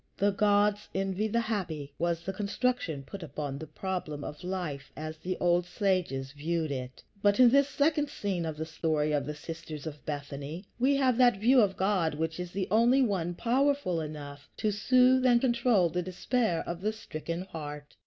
"The gods envy the happy," was the construction put upon the problem of life as the old sages viewed it. But in this second scene of the story of the sisters of Bethany we have that view of God which is the only one powerful enough to soothe and control the despair of the stricken heart.